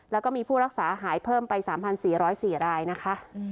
แล้วก็มีผู้รักษาหายเพิ่มไป๓๔๐๔รายนะคะ